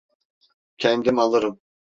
Kendim alırım.